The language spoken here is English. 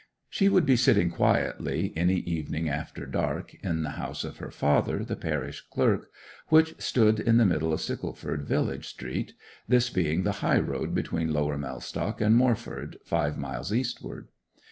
She would be sitting quietly, any evening after dark, in the house of her father, the parish clerk, which stood in the middle of Stickleford village street, this being the highroad between Lower Mellstock and Moreford, five miles eastward.